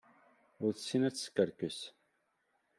Ur tessin ad teskerkes.